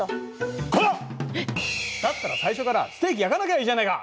だったら最初からステーキ焼かなきゃいいじゃないか。